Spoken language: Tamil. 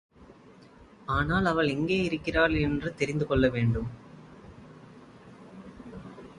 ஆனால், அவள் எங்கேயிருக்கிறாள் என்று தெரிந்து கொள்ள வேண்டும்.